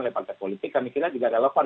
oleh partai politik kami kira juga ada lepan